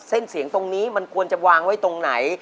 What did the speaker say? เส้นเสียงตรงนี้มันควรจะวางไว้ตรงไหน